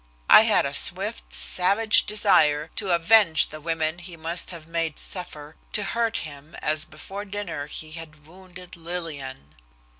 I had a swift, savage desire to avenge the women he must have made suffer, to hurt him as before dinner he had wounded Lillian.